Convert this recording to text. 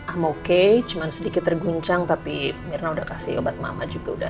i'm okay cuman sedikit terguncang tapi mirna udah kasih obat mama juga udah